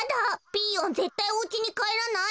ピーヨンぜったいおうちにかえらない。